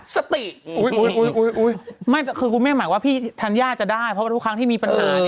สติฮุยอุ๊ยอุ๊ยคุณแม่หมายว่าพี่ธัญญาจะได้เพราะทุกครั้งที่มีปัญหาเนี่ย